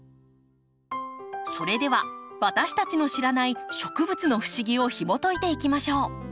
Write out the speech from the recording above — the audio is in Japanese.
それでは私たちの知らない植物の不思議をひもといていきましょう。